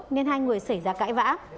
nên hai người xảy ra cãi vã